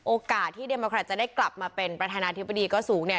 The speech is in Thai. โอกาสที่เดมัครตจะได้กลับมาเป็นประธานาธิบดีก็สูงเนี่ย